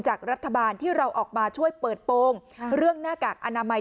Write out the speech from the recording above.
จากรัฐบาลที่เราออกมาช่วยเปิดโปรงเรื่องหน้ากากอนามัย